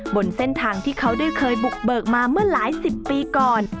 บนเส้นทางที่เขาได้เคยบุกเบิกมาเมื่อหลายสิบปีก่อน